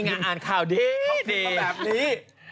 นี่ไงอ่านข่าวดีพ่อพิมพ์เป็นแบบนี้